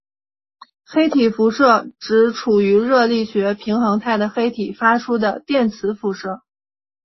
黑体辐射指处于热力学平衡态的黑体发出的电磁辐射。